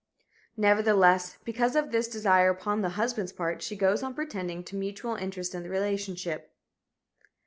Nevertheless, because of this desire upon the husband's part, she goes on "pretending" to mutual interest in the relationship.